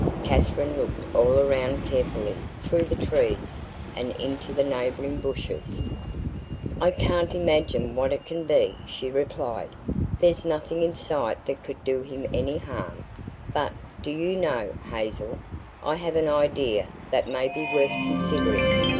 Katherine looked all around carefully through the trees and into the neighboring bushes. "I can't imagine what it can be," she replied. "There's nothing in sight that could do him any harm. But, do you know, Hazel, I have an idea that may be worth considering.